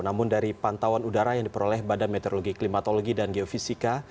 namun dari pantauan udara yang diperoleh badan meteorologi klimatologi dan geofisika